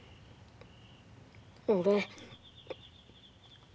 俺。